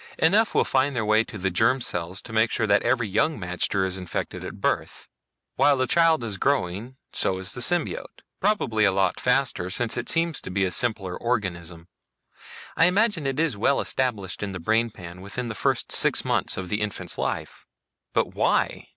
Enough will find their way to the germ cells to make sure that every young magter is infected at birth. While the child is growing, so is the symbiote. Probably a lot faster, since it seems to be a simpler organism. I imagine it is well established in the brain pan within the first six months of the infant's life." "But why?"